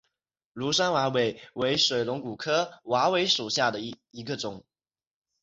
庐山瓦韦为水龙骨科瓦韦属下的一个种。